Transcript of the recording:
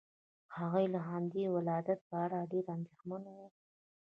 هغوی د همدې ولادت په اړه ډېر اندېښمن وو.